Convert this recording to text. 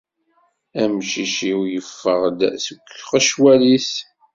Amcic-iw yeffeɣ-d seg uqecwal-is.